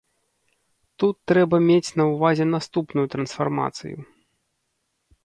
Тут трэба мець на ўвазе наступную трансфармацыю.